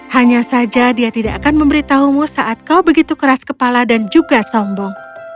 hanya saja dia tidak akan memberitahumu saat kau begitu keras kepala dan juga sombong